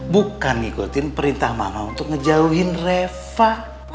bukan ngikutin perintah mama untuk ngejauhin reva